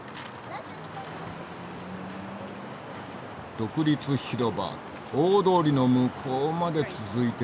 独立広場大通りの向こうまで続いてる。